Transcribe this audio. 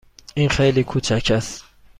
این خیلی کوچک است.